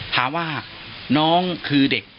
ถามว่าน้องคือเด็ก